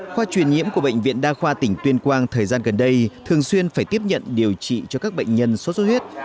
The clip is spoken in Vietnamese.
khoa truyền nhiễm của bệnh viện đa khoa tỉnh tuyên quang thời gian gần đây thường xuyên phải tiếp nhận điều trị cho các bệnh nhân sốt xuất huyết